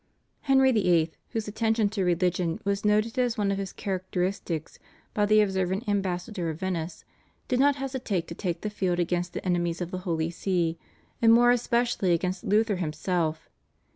Henry VIII., whose attention to religion was noted as one of his characteristics by the observant Ambassador of Venice, did not hesitate to take the field against the enemies of the Holy See and more especially against Luther himself.